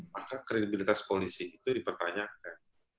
maka kredibilitas polisi itu dipertanyakan